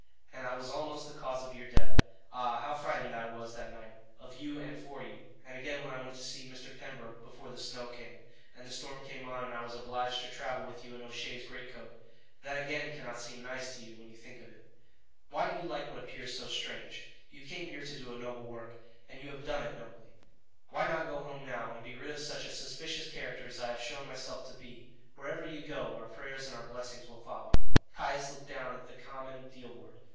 And I was almost the cause of your death. Ah! how frightened I was that night of you and for you! And again when I went to see Mr. Pembroke before the snow came, and the storm came on and I was obliged to travel with you in O'Shea's great coat that again cannot seem nice to you when you think of it. Why do you like what appears so strange? You came here to do a noble work, and you have done it nobly. Why not go home now, and be rid of such a suspicious character as I have shown myself to be? Wherever you go, our prayers and our blessings will follow you." Caius looked down at the common deal board.